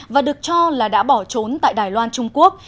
và được cho là đã bỏ trốn tại đài loan trung quốc